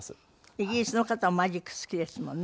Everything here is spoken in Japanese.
イギリスの方もマジック好きですもんね